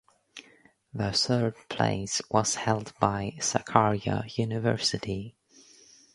The third place was held by Sakarya University.